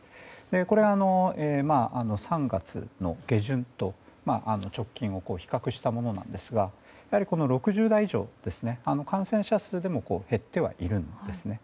これは３月の下旬と直近を比較したものなんですが６０代以上は感染者数でも減ってはいるんですね。